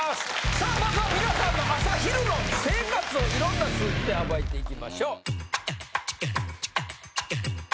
さあまずは皆さんの朝・昼の生活を色んな数字で暴いていきましょう。